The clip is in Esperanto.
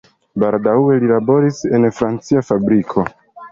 Baldaŭe li laboris en farmacia fabriko.